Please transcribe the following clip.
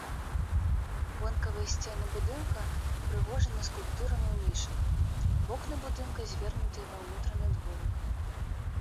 Вонкавыя сцены будынка ўпрыгожаны скульптурамі ў нішах, вокны будынка звернутыя ва ўнутраны дворык.